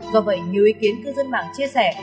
do vậy nhiều ý kiến cư dân mạng chia sẻ